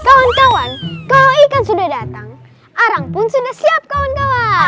kawan kawan kalau ikan sudah datang arang pun sudah siap kawan kawan